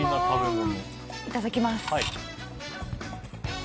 いただきます。